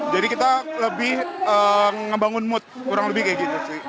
jadi kita lebih ngebangun mood kurang lebih kayak gitu sih